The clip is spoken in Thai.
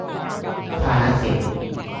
ทานะสีละ